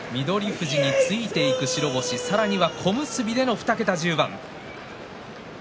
富士についていく白星さらには小結での２桁１０番。